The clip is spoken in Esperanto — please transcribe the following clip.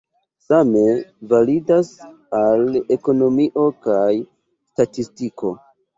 Same validas al ekonomio kaj statistiko.